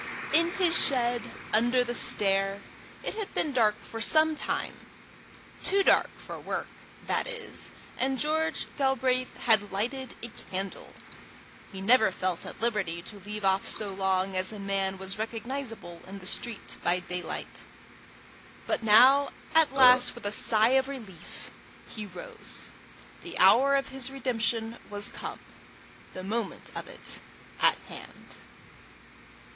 In his shed under the stair it had been dark for some time too dark for work, that is, and George Galbraith had lighted a candle: he never felt at liberty to leave off so long as a man was recognizable in the street by daylight. But now at last, with a sigh of relief, he rose. The hour of his redemption was come, the moment of it at hand.